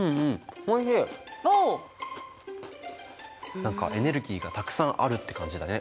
何かエネルギーがたくさんあるって感じだね。